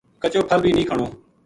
کچو پھل بھی نیہہ کھانو“